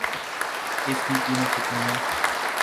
اس کی قیمت کتنی ہے